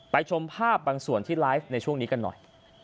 ชมภาพบางส่วนที่ไลฟ์ในช่วงนี้กันหน่อย